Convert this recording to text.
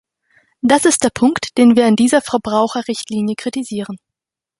Das ist der Punkt, den wir an dieser Verbraucherrichtlinie kritisieren.